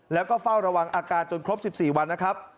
แล้วก็เฝ้าระวังอาการจนครบ๑๔วันนะครับ